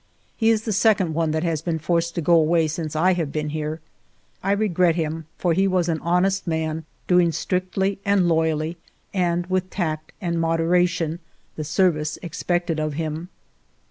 He is the second one that has been forced to go away since I have been here. I re gret him, for he was an honest man, doing strictly and loyally, and with tact and moderation, the service expected of him.